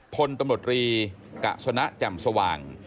พลตำรดรีกะสนะจำสว่าง